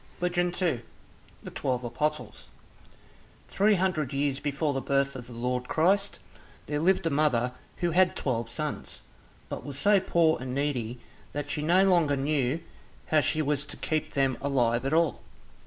Legend 2 The Twelve Apostles Three hundred years before the birth of the Lord Christ, there lived a mother who had twelve sons, but was so poor and needy that she no longer knew how she was to keep them alive at all.